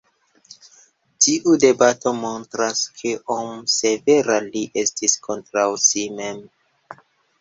Tiu detalo montras, kiom severa li estis kontraŭ si mem.